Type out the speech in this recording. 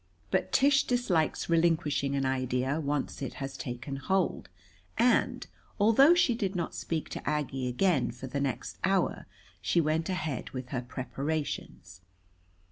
But Tish dislikes relinquishing an idea, once it has taken hold. And, although she did not speak to Aggie again for the next hour, she went ahead with her preparations.